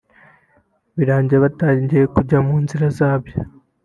birangira watangiye kujya mu nzira zabyo